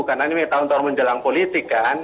karena ini tahun tahun menjelang politik kan